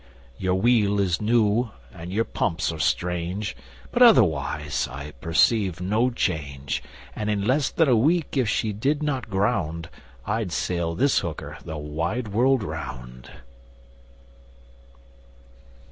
'Your wheel is new and your pumps are strange, But otherwise I perceive no change, And in less than a week, if she did not ground, I'd sail this hooker the wide world round!